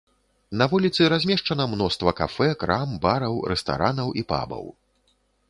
На вуліцы размешчана мноства кафэ, крам, бараў, рэстаранаў і пабаў.